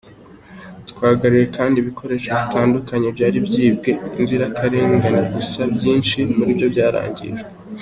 Twagaruye kandi ibikoresho bitandukanye byari byibwe inzirakarengane gusa byinshi muri byo byarangijwe.”